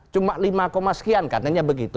cuma lima sekian katanya begitu